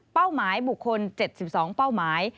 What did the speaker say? หมายบุคคล๗๒เป้าหมาย